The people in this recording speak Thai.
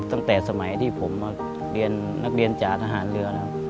ตั้งแต่สมัยที่ผมมาเรียนนักเรียนจาทหารเรือนะครับ